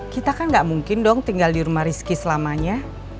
kita kan gak mungkin dong tinggal di rumah rizky selamanya